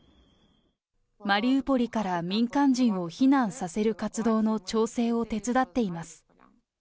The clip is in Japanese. マリウポリから民間人を避難させる活動の調整を手伝っています。